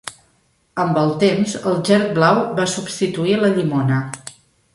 Amb el temps, el gerd blau va substituir la llimona.